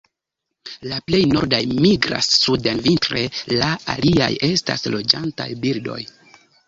La plej nordaj migras suden vintre; la aliaj estas loĝantaj birdoj.